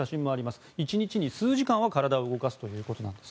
１日に数時間は体を動かすということです。